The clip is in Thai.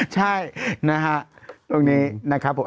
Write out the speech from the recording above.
ใช่นะฮะตรงนี้นะครับผม